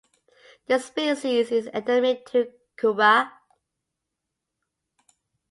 The species is endemic to Cuba.